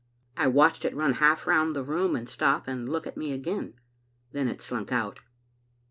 I watched it run half round the room and stop and look at me again. Then it slunk out.